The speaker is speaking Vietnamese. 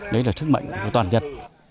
đấy là sức mạnh của toàn dân